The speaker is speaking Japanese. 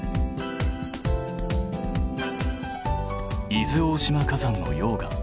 伊豆大島火山の溶岩。